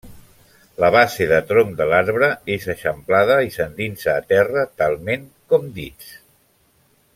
La base de tronc de l'arbre és eixamplada i s'endinsa a terra talment com dits.